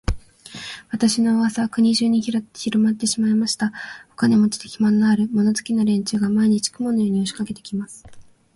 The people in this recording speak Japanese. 私の噂は国中にひろまってしまいました。お金持で、暇のある、物好きな連中が、毎日、雲のように押しかけて来ます。